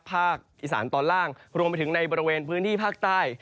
ภาคอีสานตอนล่างรวมไปถึงในบริเวณพื้นที่ภาคใต้